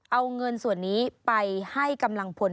เอาเงินส่วนนี้ไปให้กำลังพล